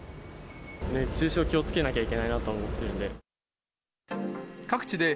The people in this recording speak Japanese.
熱中症、気をつけなきゃいけないなと思ってるので。